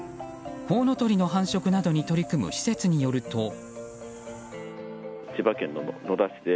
コウノトリの繁殖などに取り組む施設によると。